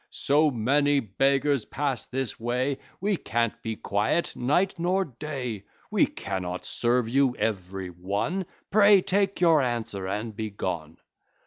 So many beggars pass this way, We can't be quiet, night nor day; We cannot serve you every one; Pray take your answer, and be gone."